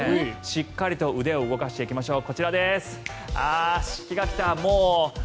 しっかりと腕を動かしていきましょう。